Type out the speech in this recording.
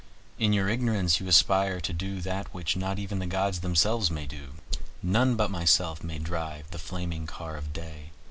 In your ignorance you aspire to do that which not even the gods themselves may do. None but myself may drive the flaming car of day.